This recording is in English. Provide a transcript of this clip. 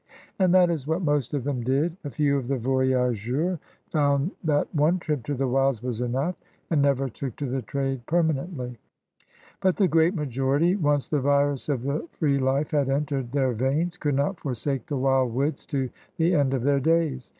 And that is what most of them did. A few of the voyageurs found THE COUREURS DE BOIS 165 that one trip to the wilds was enough and never took to the trade permanently. But the great majority, once the virus of the free life had entered their veins, could not forsake the wild woods to the end of their days.